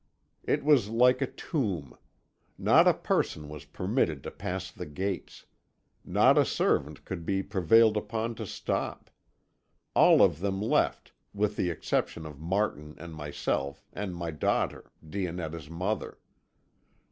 "It was like a tomb. Not a person was permitted to pass the gates. Not a servant could be prevailed upon to stop. All of them left, with the exception of Martin and myself, and my daughter, Dionetta's mother.